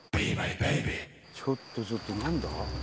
ちょっとちょっと何だ？